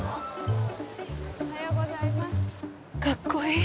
かっこいい。